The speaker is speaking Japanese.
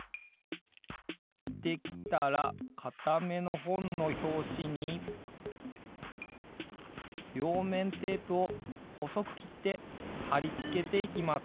できたらかためのほんのひょうしにりょうめんテープをほそくきってはりつけていきます。